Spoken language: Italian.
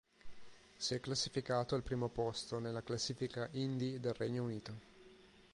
Si è classificato al primo posto nella classifica indie del Regno Unito.